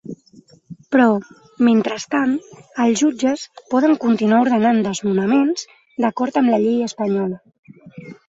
Però, mentrestant, els jutges poden continuar ordenant desnonaments d’acord amb la llei espanyola.